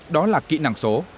đó là kỹ năng số